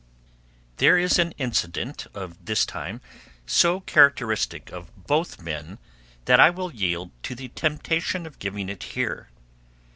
There is an incident of this time so characteristic of both men that I will yield to the temptation of giving it here.